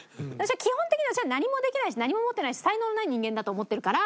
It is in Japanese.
基本的に私は何もできないし何も持ってないし才能ない人間だと思ってるから。